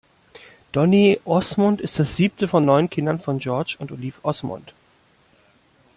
Donny Osmond ist das siebte von neun Kindern von George und Olive Osmond.